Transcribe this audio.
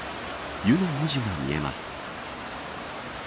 ゆの文字が見えます。